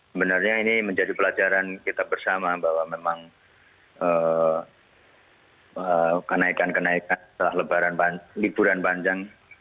sebenarnya ini menjadi pelajaran kita bersama bahwa memang kenaikan kenaikan setelah liburan panjang